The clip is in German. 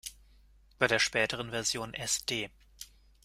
Bei der späteren Version Sd.